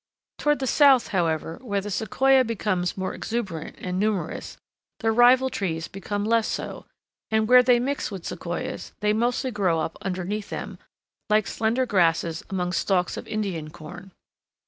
Toward the south, however, where the Sequoia becomes more exuberant and numerous, the rival trees become less so; and where they mix with Sequoias, they mostly grow up beneath them, like slender grasses among stalks of Indian corn.